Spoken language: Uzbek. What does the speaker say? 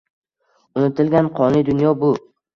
Unutilgan qonli dunyo bu